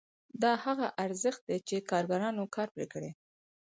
دا هغه ارزښت دی چې کارګرانو کار پرې کړی